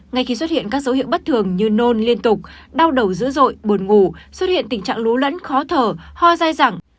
ngay khi xuất hiện các dấu hiệu bất thường như nôn liên tục đau đầu dữ dội buồn ngủ xuất hiện tình trạng lũ lẫn khó thở ho dài dẳng